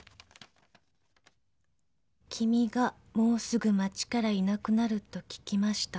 「君がもうすぐ町からいなくなると聞きました」